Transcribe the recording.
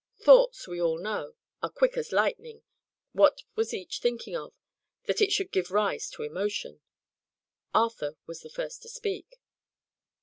Thoughts, we all know, are quick as lightning: what was each thinking of, that it should give rise to emotion? Arthur was the first to speak.